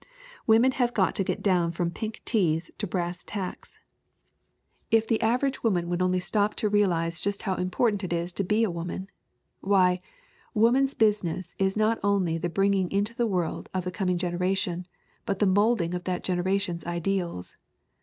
"Women have got to get down from pink teas to brass tacks! If the average woman would only stop HONORE WILLSIE 353 to realize just how important it is to be a woman! Why, woman's business is not only the bringing into the world of the coming generation, but the molding of that generation's ideals.